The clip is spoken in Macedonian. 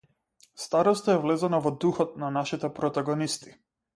Староста е влезена во духот на нашите протагонисти.